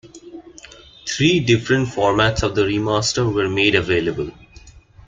Three different formats of the remaster were made available.